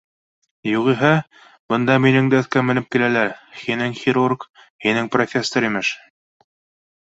Юғиһә, бында минең дә өҫкә менеп киләләр, һинең хирург, һинең профессор, имеш